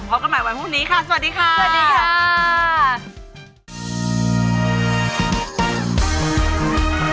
พบกันใหม่วันพรุ่งนี้ค่ะสวัสดีค่ะ